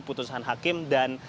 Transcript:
putusan hakim dan